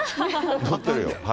乗ってるよ。